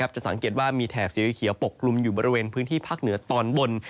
จะสังเกตว่ามีแถบสีเขียวปกกลุ่มอยู่บริเวณพื้นที่ภาคเหนือตอนบน